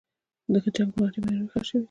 د جنګ پر مهال ډېر ماینونه ښخ شوي دي.